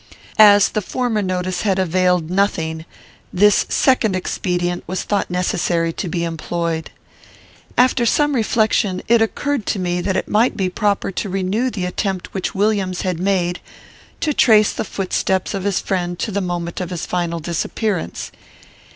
As the former notice had availed nothing, this second expedient was thought necessary to be employed. "After some reflection, it occurred to me that it might be proper to renew the attempt which Williams had made to trace the footsteps of his friend to the moment of his final disappearance.